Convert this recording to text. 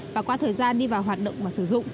và qua thời gian đi vào hoạt động và sử dụng